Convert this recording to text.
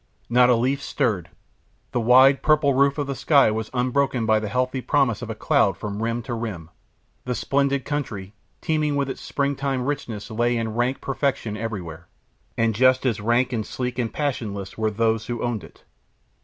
Not a leaf stirred, the wide purple roof of the sky was unbroken by the healthy promise of a cloud from rim to rim, the splendid country, teeming with its spring time richness, lay in rank perfection everywhere; and just as rank and sleek and passionless were those who owned it.